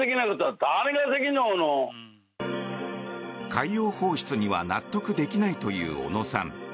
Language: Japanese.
海洋放出には納得できないという小野さん。